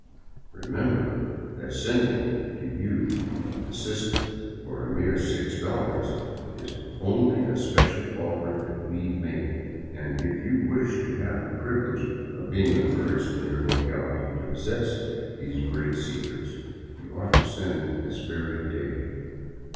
Remember that the sending to you of the system for a mere $6 is only a special offer that we make, and if you wish to have the privilege of being the first in your locality to possess these great secrets, you ought to send this very day.